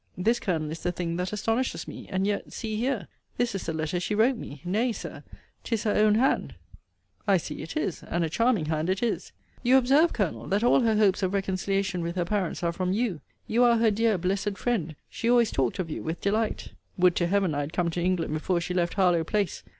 This, Colonel, is the thing that astonishes me; and yet, see here! This is the letter she wrote me Nay, Sir, 'tis her own hand. Col. I see it is; and a charming hand it is. Lovel. You observe, Colonel, that all her hopes of reconciliation with her parents are from you. You are her dear blessed friend! She always talked of you with delight. Col. Would to Heaven I had come to England before she left Harlowe place!